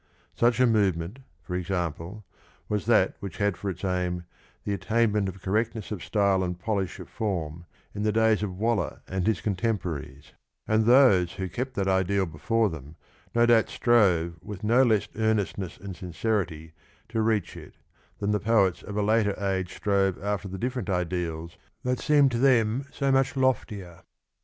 Such a movement, for example, was that which had for its aim the attainment of correctness of style and polish of form in the days of Waller and his contemporaries, and those who kept that 1 It does not appear necessary to take the thousand years (326) in a literal sense. 54 ideal before them no doubt strove with no less earnest ness and sincerity to reach it than the poets of a later age strove after the different ideals that seemed to them so much loftier.